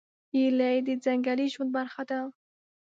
هیلۍ د ځنګلي ژوند برخه ده